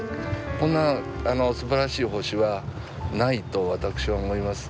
こんなすばらしい星はないと私は思います。